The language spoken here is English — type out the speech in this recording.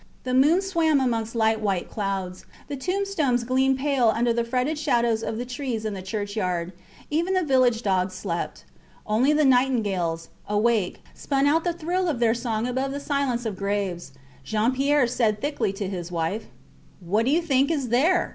The moon swam amongst light white clouds. The tombstones gleamed pale under the fretted shadows of the trees in the churchyard. Even the village dogs slept. Only the nightingales, awake, spun out the thrill of their song above the silence of graves. Jean Pierre said thickly to his wife What do you think is there?